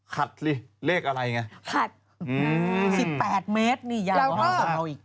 ถัดสิบแปดเมตรนี่ยาวมากกว่าเราอีก